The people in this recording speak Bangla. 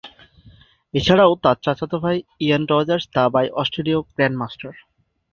এছাড়াও তা চাচাতো ভাই ইয়ান রজার্স দাবায় অস্ট্রেলীয় গ্র্যান্ডমাস্টার।